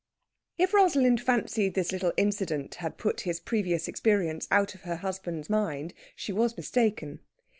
If Rosalind fancied this little incident had put his previous experience out of her husband's mind she was mistaken.